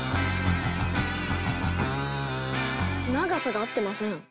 長さが合ってません。